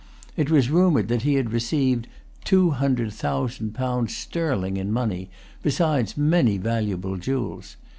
It was rumoured that he had received two hundred thousand pounds sterling in money, besides many valuable jewels.